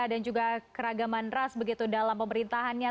dan juga keragaman ras begitu dalam pemerintahannya